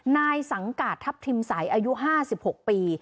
นายสังกัดทัพทิมใสอายุ๕๖ปี